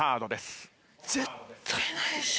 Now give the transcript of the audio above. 絶対ないでしょ。